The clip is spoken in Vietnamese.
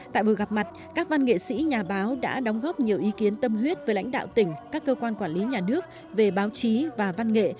tại buổi gặp mặt các văn nghệ sĩ nhà báo đã đóng góp nhiều ý kiến tâm huyết với lãnh đạo tỉnh các cơ quan quản lý nhà nước về báo chí và văn nghệ